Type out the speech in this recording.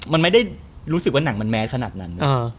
มันไม่ได้รู้สึกว่าหนังมันแมสขนาดนั้น